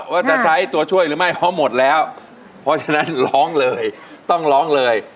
ว่าจะใช้ตัวช่วยหรือไม่เพราะหมดแล้วเพราะฉะนั้นร้องเลยต้องร้องเลย